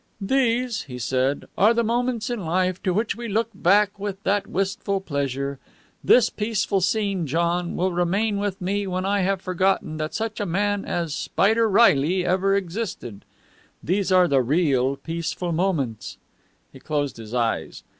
"These," he said, "are the moments in life to which we look back with that wistful pleasure. This peaceful scene, John, will remain with me when I have forgotten that such a man as Spider Reilly ever existed. These are the real Peaceful Moments." He closed his eyes.